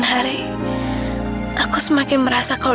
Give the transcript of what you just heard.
ya biar hemat aja pak